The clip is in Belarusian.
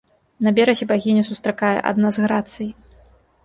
На беразе багіню сустракае адна з грацый.